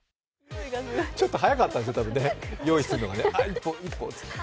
ちょっと早かったんですね、たぶん用意するのがね。